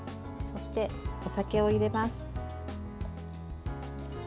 そして、お酒を入れます。